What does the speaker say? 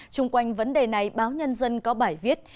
trung quanh vấn đề này báo nhân dân có bài viết